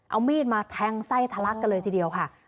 เอามีดมาแทงไส้ทะลักกันเลยทีเดียวค่ะ